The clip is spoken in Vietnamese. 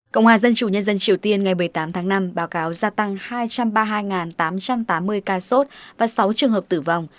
cộng hòa dân chủ nhân dân triều tiên ngày một mươi tám tháng năm báo cáo gia tăng hai trăm ba mươi hai tám trăm tám mươi ca sốt và sáu trường hợp tử vong